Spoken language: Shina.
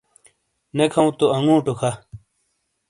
نے کھَؤں تو اَنگُوٹو کَھہ۔